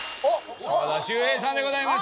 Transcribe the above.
島田秀平さんでございます。